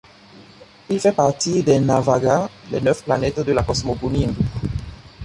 Il fait partie des Navagrha, les neuf planètes de la cosmogonie hindoue.